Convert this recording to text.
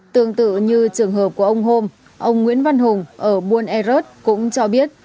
tương tự như trường hợp của ông hôm ông nguyễn văn hùng ở buôn e rớt cũng cho biết